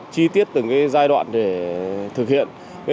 chi tiết từng cái giai đoạn để thực hiện